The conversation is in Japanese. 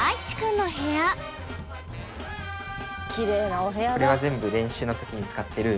きれいなお部屋だ。